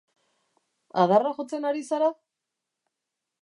Adarra jotzen ari zara?